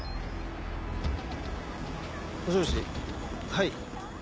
はい。